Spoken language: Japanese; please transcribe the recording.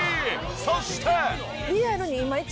そして。